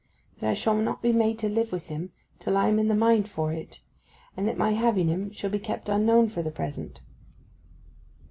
'That I shall not be made to live with him till I am in the mind for it; and that my having him shall be kept unknown for the present.